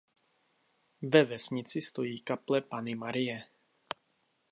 Ve vesnici stojí kaple Panny Marie.